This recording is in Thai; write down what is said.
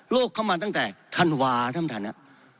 โลกเข้ามาตั้งแต่ธันวาทำทางนั้น